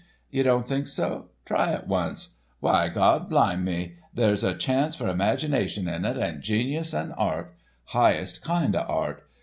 Ye don't think so? Try it once! Why, Gawd blyme me, there's a chance for imagination in it, and genius and art—highest kind of art.